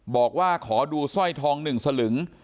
บอกว่าขอดูสร้อยทอง๑สลึง